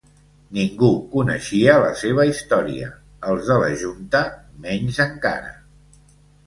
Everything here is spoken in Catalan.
Ningú coneixia la seva història, els de la Junta menys encara.